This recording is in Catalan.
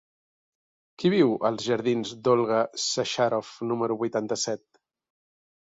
Qui viu als jardins d'Olga Sacharoff número vuitanta-set?